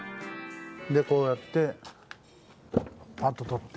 こうやって、ぱっと取って。